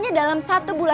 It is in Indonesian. kita bisa melakukan hal lain